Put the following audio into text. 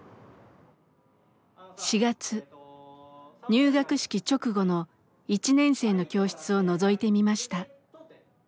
入学式直後の１年生の教室をのぞいてみました。